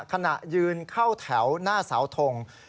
ขณะยืนเข้าแถวหน้าเสาทง